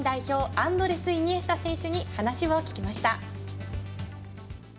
アンドレス・イニエスタ選手に話を聞きました。